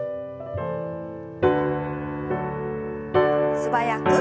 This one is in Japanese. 素早く。